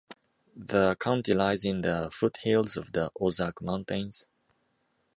The county lies in the foothills of the Ozark Mountains.